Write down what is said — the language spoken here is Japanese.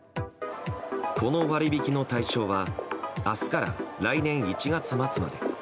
この割引の対象は明日から来年１月末まで。